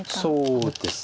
そうですね。